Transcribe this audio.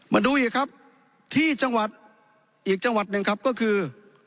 มาดูอีกครับที่จังหวัดอีกจังหวัดหนึ่งครับก็คือ